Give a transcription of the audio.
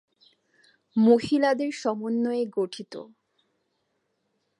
মহিলাদের সমন্বয়ে গঠিত।